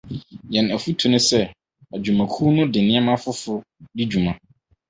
Yɛn afotu ne sɛ adwumakuw no de nneɛma foforo di dwuma.